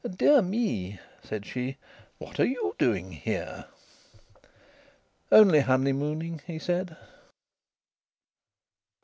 "Dear me," said she. "What are you doing here?" "Only honeymooning," he said.